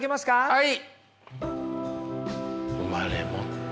はい。